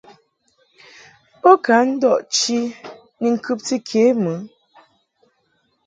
Bo ka ndɔʼ chi ni ŋkɨbti ke mɨ.